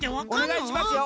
おねがいしますよ！